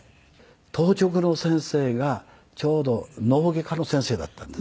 当直の先生がちょうど脳外科の先生だったんです。